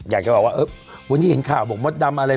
อยากจะบอกว่าวันนี้เห็นข่าวบอกมดดำอะไร